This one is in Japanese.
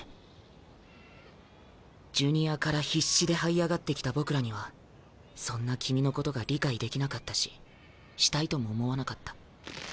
ジュニアから必死ではい上がってきた僕らにはそんな君のことが理解できなかったししたいとも思わなかった。